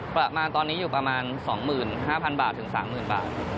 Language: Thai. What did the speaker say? ประมาณตอนนี้อยู่ประมาณ๒๕๐๐บาทถึง๓๐๐บาท